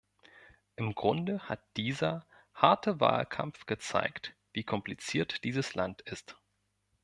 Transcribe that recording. Im Grunde hat dieser harte Wahlkampf gezeigt, wie kompliziert dieses Land ist.